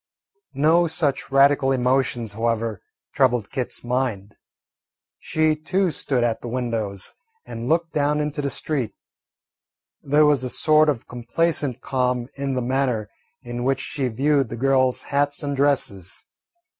No such radical emotions, however, troubled Kit's mind. She too stood at the windows and looked down into the street. There was a sort of complacent calm in the manner in which she viewed the girls' hats and dresses.